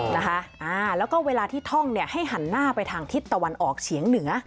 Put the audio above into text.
นะคะอ่าแล้วก็เวลาที่ท่องเนี่ยให้หันหน้าไปทางทิศตะวันออกเฉียงเหนือ